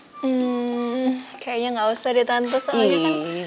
hmm kayaknya gak usah deh tante soalnya kan